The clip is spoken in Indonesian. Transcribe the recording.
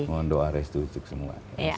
mohon doa restu untuk semua